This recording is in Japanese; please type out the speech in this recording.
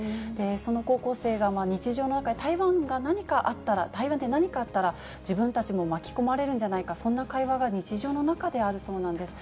その高校生は、日常の中で台湾に何かあったら、台湾で何かあったら、自分たちも巻き込まれるんじゃないか、そんな会話が日常の中であるそうなんです。